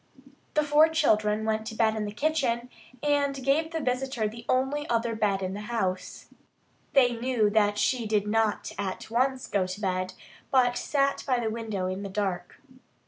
The four children went to bed in the kitchen, and gave the visitor the only other bed in the house. They knew that she did not at once go to bed, but sat by the window in the dark.